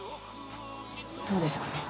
どうでしょうね。